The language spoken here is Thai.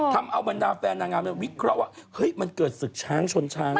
ทำเอาบรรดาแฟนนางงามวิเคราะห์ว่าเฮ้ยมันเกิดศึกช้างชนช้าง